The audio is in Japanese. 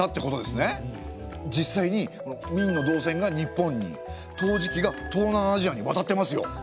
実際に明の銅銭が日本に陶磁器が東南アジアに渡ってますよ！